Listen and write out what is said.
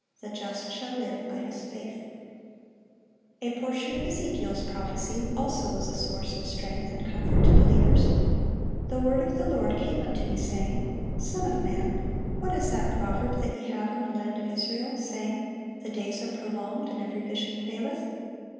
The just shall live by his faith." A portion of Ezekiel's prophecy also was a source of strength and comfort to believers: "The word of the Lord came unto me, saying, Son of man, what is that proverb that ye have in the land of Israel, saying, The days are prolonged, and every vision faileth?